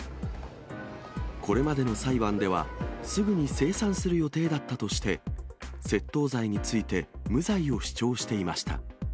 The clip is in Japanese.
これまでの裁判では、すぐに精算する予定だったとして、窃盗罪について無罪を主張していました。